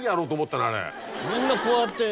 みんなこうやって。